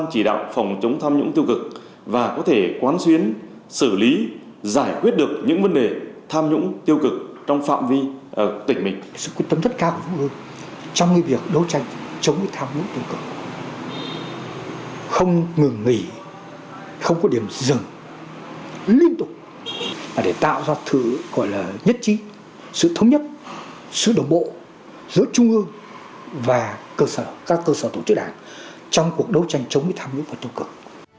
không có điểm dừng liên tục để tạo ra thứ gọi là nhất trí sự thống nhất sự đồng bộ giữa trung ương và các cơ sở tổ chức đảng trong cuộc đấu tranh chống tham nhũng và tiêu cực